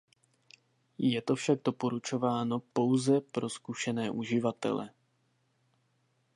Je to však doporučováno pouze pro zkušené uživatele.